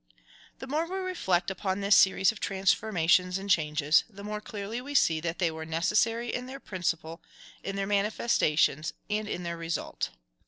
The more we reflect upon this series of transformations and changes, the more clearly we see that they were necessary in their principle, in their manifestations, and in their result.